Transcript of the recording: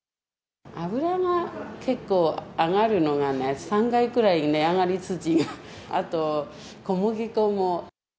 油が結構上がるのが、３回くらい値上がり、あと小麦粉も。